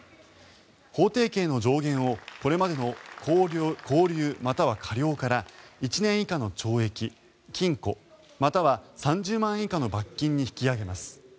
法定刑の上限をこれまでの拘留または科料から１年以下の懲役・禁錮または３０万円以下の罰金に引き上げます。